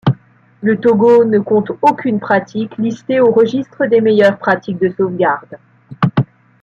Le Togo ne compte aucune pratique listée au registre des meilleures pratiques de sauvegarde.